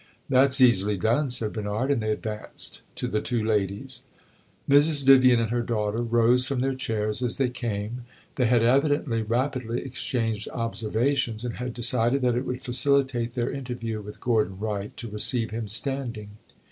"That 's easily done," said Bernard, and they advanced to the two ladies. Mrs. Vivian and her daughter rose from their chairs as they came; they had evidently rapidly exchanged observations, and had decided that it would facilitate their interview with Gordon Wright to receive him standing.